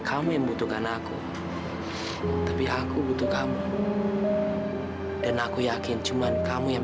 sampai jumpa di video selanjutnya